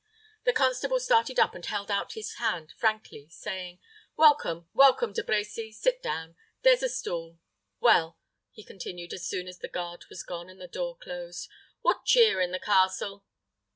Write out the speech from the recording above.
The constable started up, and held out his hand frankly, saying, "Welcome, welcome, De Brecy. Sit down. There's a stool. Well," he continued, as soon as the guard was gone, and the door closed, "what cheer in the castle?"